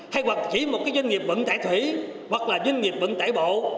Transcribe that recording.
hay chỉ một dân nghiệp vận tải thủy hoặc dân nghiệp vận tải bộ